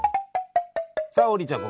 さあ王林ちゃん